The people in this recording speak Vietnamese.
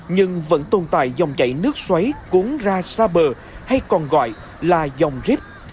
nhưng vẫn tồn tại dòng chảy nước xoáy cuốn ra xa bờ hay còn gọi là dòng rip